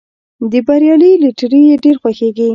د بریالي لټیري ډېر خوښیږي.